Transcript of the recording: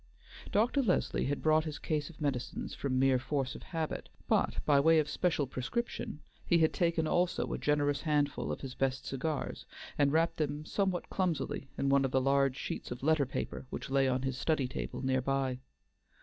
Dr. Leslie had brought his case of medicines from mere force of habit, but by way of special prescription he had taken also a generous handful of his best cigars, and wrapped them somewhat clumsily in one of the large sheets of letter paper which lay on his study table near by.